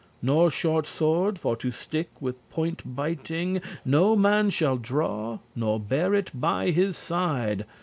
Nor short sword for to stick with point biting No man shall draw, nor bear it by his side.